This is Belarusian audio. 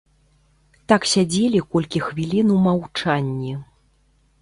Так сядзелі колькі хвілін у маўчанні.